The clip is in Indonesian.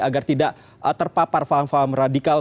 agar tidak terpapar faham faham radikal